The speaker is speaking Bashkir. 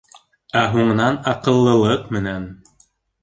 Ә һуңынан аҡыллылыҡ менән: